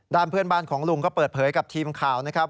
เพื่อนบ้านของลุงก็เปิดเผยกับทีมข่าวนะครับ